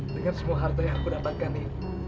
dengan semua harta yang aku dapatkan ini